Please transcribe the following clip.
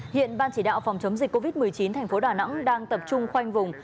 hiện ban chỉ đạo phòng chống dịch covid một mươi chín tp đà nẵng đang tập trung khoanh vùng